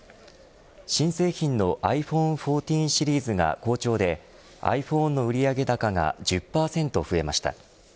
新製品のｉＰｈｏｎｅ１４シリーズが好調で、ｉＰｈｏｎｅの売上高が１０％増えました。